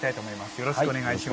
よろしくお願いします。